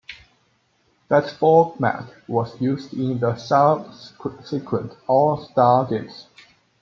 That format was used in the subsequent All-Star Games.